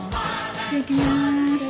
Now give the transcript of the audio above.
いただきます。